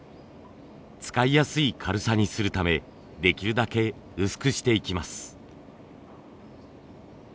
使いやすい軽さにするためできるだけ薄くしていきます。